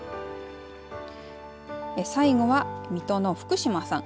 最後は水戸の福嶋さん。